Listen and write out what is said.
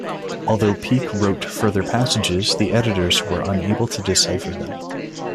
Although Peake wrote further passages, the editors were unable to decipher them.